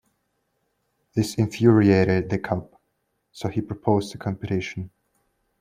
This infuriated the cub, so he proposed a competition.